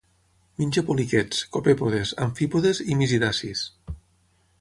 Menja poliquets, copèpodes, amfípodes i misidacis.